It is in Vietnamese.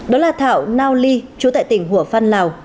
đó là thảo nao ly chú tại tỉnh hủa phan lào